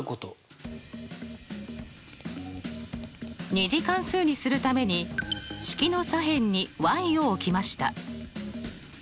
２次関数にするために式の左辺にを置きました。